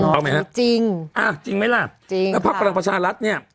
เอาไหมนะอ้าวจริงไหมล่ะแล้วภาพกำลังประชารัฐเนี่ย